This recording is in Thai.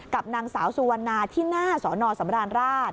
กับนางสาวสุวรรณาที่หน้าสอนอสำราญราช